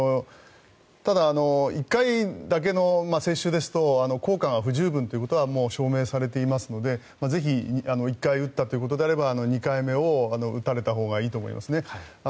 １回だけの接種ですと効果が不十分ということは証明されていますのでぜひ１回打ったということであれば２回目を打たれたほうがいいと思いますね。